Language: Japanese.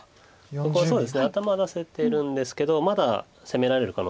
ここはそうですね頭は出せてるんですけどまだ攻められる可能性あります。